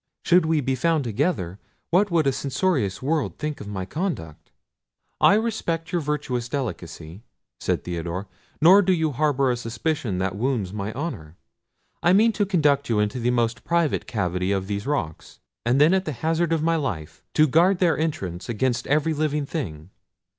Should we be found together, what would a censorious world think of my conduct?" "I respect your virtuous delicacy," said Theodore; "nor do you harbour a suspicion that wounds my honour. I meant to conduct you into the most private cavity of these rocks, and then at the hazard of my life to guard their entrance against every living thing.